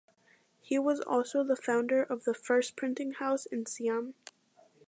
He was also the founder of the first printing house in Siam.